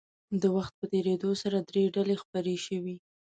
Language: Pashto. د وخت په تېرېدو سره درې ډلې خپرې شوې.